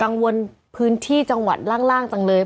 วนพื้นที่จังหวัดล่างจังเลย